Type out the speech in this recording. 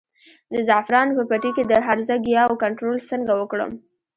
د زعفرانو په پټي کې د هرزه ګیاوو کنټرول څنګه وکړم؟